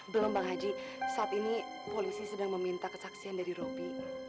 belum bang haji saat ini polisi sedang meminta kesaksian dari roby